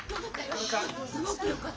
すごくよかった。